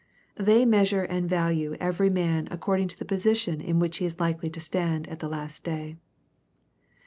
They measure and value every man according to the position in which he is likely to stand at the last day.